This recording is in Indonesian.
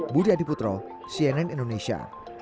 budi adiputro cnn indonesia